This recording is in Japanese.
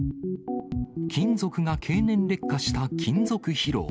金属が経年劣化した金属疲労。